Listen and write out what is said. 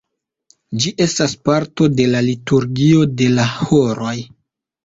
Ĝi estas parto de la liturgio de la horoj.